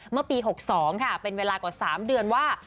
เมื่อปี๖๒ค่ะเป็นเวลากว่า๓เดือนว่า